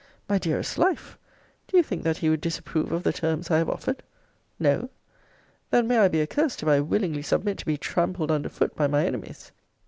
My dearest life! Do you think that he would disapprove of the terms I have offered? No. Then may I be accursed, if I willingly submit to be trampled under foot by my enemies!